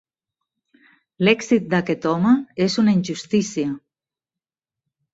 L'èxit d'aquest home és una injustícia!